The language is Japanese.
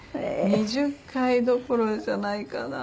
２０回どころじゃないかな。